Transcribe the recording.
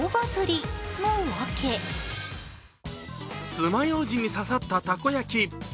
爪ようじに刺さったたこ焼き。